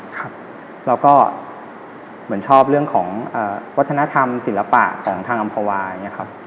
แล้วก็เหมือนชอบเรื่องของวัฒนธรรมศิลปะของทางอำภาวะ